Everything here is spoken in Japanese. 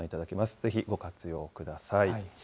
ぜひご活用ください。